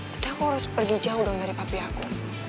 tapi aku harus pergi jauh dong dari papi aku